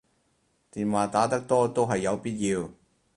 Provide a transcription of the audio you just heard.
電話打得多都係有必要